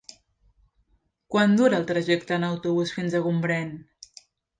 Quant dura el trajecte en autobús fins a Gombrèn?